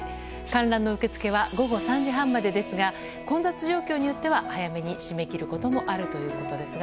観覧の受け付けは午後３時半までですが混雑状況によっては早めに締め切ることもあるということです。